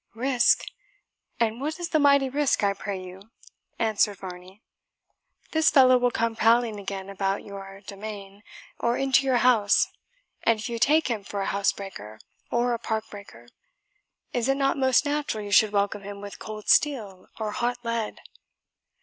"Risk! and what is the mighty risk, I pray you?" answered Varney. "This fellow will come prowling again about your demesne or into your house, and if you take him for a house breaker or a park breaker, is it not most natural you should welcome him with cold steel or hot lead?